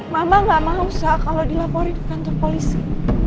mama gak mau usaha kalau dilaporin ke kantor polisi